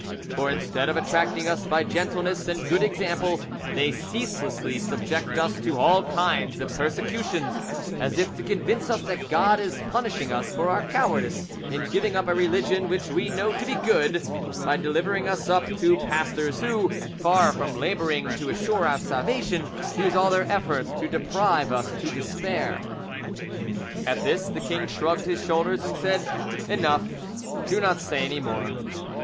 For instead of attracting us by gentleness and good example, they ceaselessly subject us to all kinds of persecutions, as if to convince us that God is punishing us for our cowardice in giving up a religion which we know to be good, by delivering us up to pastors who, far from labouring to assure our salvation, use all their efforts to drive us to despair." "At this the king shrugged his shoulders and said, 'Enough, do not say any more.